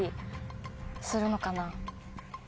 するのかな？